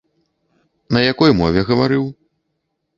На якой мове гаварыў?